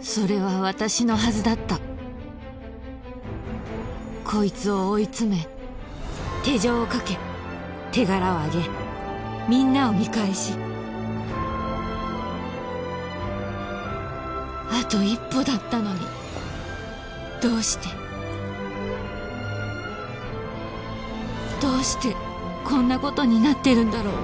それは私のはずだったこいつを追い詰め手錠をかけ手柄をあげみんなを見返しあと一歩だったのにどうしてどうしてこんなことになってるんだろう